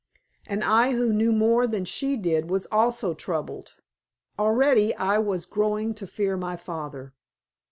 And I, who knew more than she did, was also troubled. Already I was growing to fear my father.